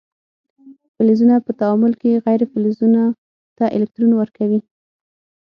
فلزونه په تعامل کې غیر فلزونو ته الکترون ورکوي.